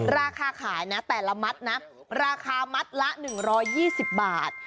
ราคาขายนะแต่ละมัดนะราคามัดละ๑๒๐บาท